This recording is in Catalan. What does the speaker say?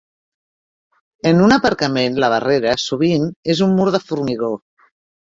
En un aparcament, la barrera sovint és un mur de formigó.